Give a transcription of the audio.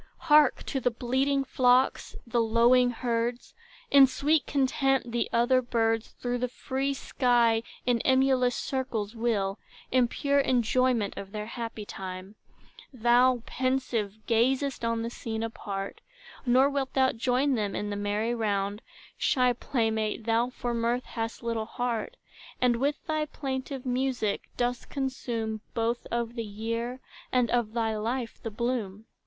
Hark to the bleating flocks, the lowing herds! In sweet content, the other birds Through the free sky in emulous circles wheel, In pure enjoyment of their happy time: Thou, pensive, gazest on the scene apart, Nor wilt thou join them in the merry round; Shy playmate, thou for mirth hast little heart; And with thy plaintive music, dost consume Both of the year, and of thy life, the bloom.